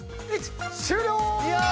終了！